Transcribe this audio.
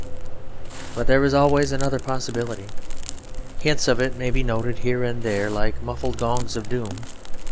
But there is always another possibility. Hints of it may be noted here and there like muffled gongs of doom.